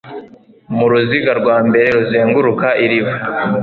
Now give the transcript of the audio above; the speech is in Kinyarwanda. muruziga rwa mbere ruzenguruka iriba